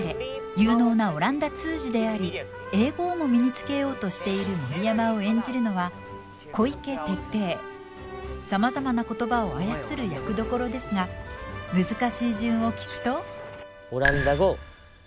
有能なオランダ通詞であり英語をも身につけようとしている森山を演じるのはさまざまな言葉を操る役どころですが難しい順を聞くと？